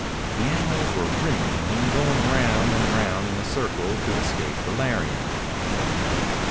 The animals were rim milling, going round and round in a circle to escape the lariat.